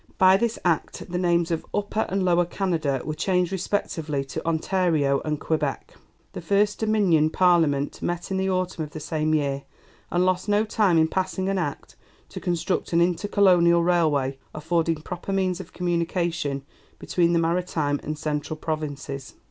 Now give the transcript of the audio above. By this Act the names of Upper and Lower Canada were changed respectively to Ontario and Quebec. The first Dominion Parliament met in the autumn of the same year, and lost no time in passing an Act to construct an Inter Colonial Railway affording proper means of communication between the maritime and central provinces.